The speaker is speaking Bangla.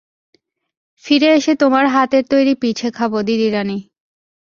ফিরে এসে তোমার হাতের তৈরি পিঠে খাব দিদিরানী।